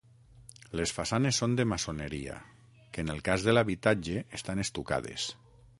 Les façanes són de maçoneria, que en el cas de l'habitatge estan estucades.